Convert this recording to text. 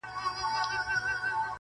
غمونه هېر سي اتڼونو ته ډولونو راځي-